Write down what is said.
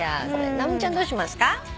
直美ちゃんどうしますか？